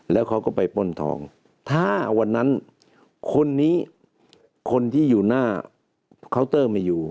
แล้วเขาก็ไปป้นทองถ้าวันนั้นคนนี้คนที่อยู่หน้าเคาน์เตอร์ไม่อยู่